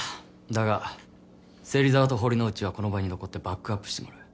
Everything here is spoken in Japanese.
だが芹沢と堀之内はこの場に残ってバックアップしてもらう。